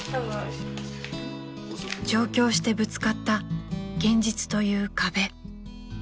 ［上京してぶつかった現実という壁］